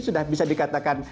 sudah bisa dikatakan